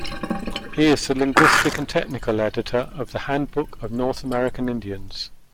He is the linguistic and technical editor of the "Handbook of North American Indians".